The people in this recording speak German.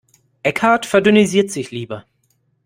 Eckhart verdünnisiert sich lieber.